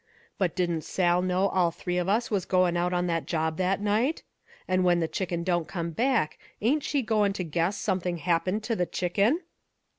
But didn't Sal know all three of us was goin' out on that job that night? And when the Chicken don't come back, ain't she goin' to guess something happened to the Chicken?"